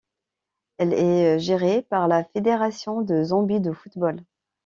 Elle est gérée par la Fédération de Zambie de football.